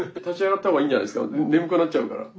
眠くなっちゃうから。